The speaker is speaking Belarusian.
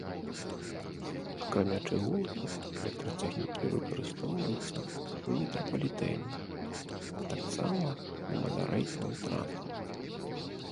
Акрамя чыгункі, электрацягнікі выкарыстоўваюцца ў метрапалітэне, а таксама на манарэйкавым транспарце.